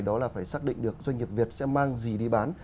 đó là phải xác định được doanh nghiệp việt sẽ mang gì đi bán